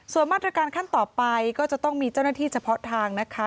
ส่วนมาตรการขั้นต่อไปก็จะต้องมีเจ้าหน้าที่เฉพาะทางนะคะ